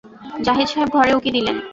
জাহিদ সাহেব ঘরে উঁকি দিলেন।